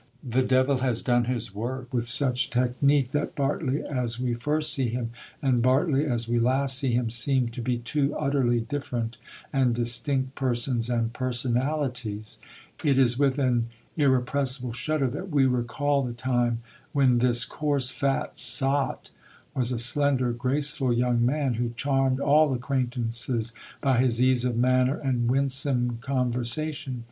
The devil has done his work with such technique that Bartley as we first see him, and Bartley as we last see him, seem to be two utterly different and distinct persons and personalities; it is with an irrepressible shudder that we recall the time when this coarse, fat sot was a slender, graceful young man, who charmed all acquaintances by his ease of manner and winsome conversation.